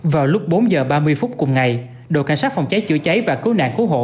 vào lúc bốn h ba mươi phút cùng ngày đội cảnh sát phòng cháy chữa cháy và cứu nạn cứu hộ